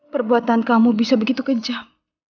perbuatan kamu bisa begitu kejam